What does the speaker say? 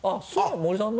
森さんの？